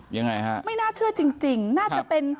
ยังไงฮะไม่น่าเชื่อจริงน่าจะเป็น